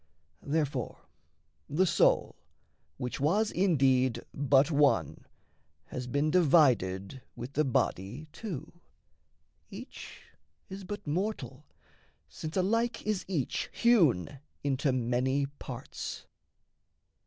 Therefore, the soul, which was indeed but one, Has been divided with the body too: Each is but mortal, since alike is each Hewn into many parts.